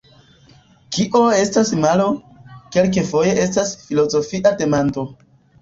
Kio estas malo, kelkfoje estas filozofia demando.